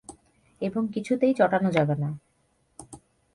এবং কিছুতেই চটানো যাবে না।